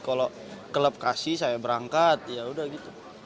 kalau klub kasih saya berangkat ya udah gitu